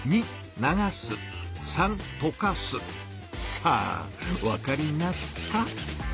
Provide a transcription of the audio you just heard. さあわかりますか？